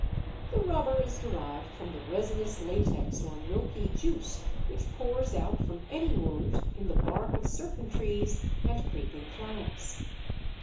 The rubber is derived from the resinous latex or milky juice, which pours out from any wound in the bark of certain trees and creeping plants.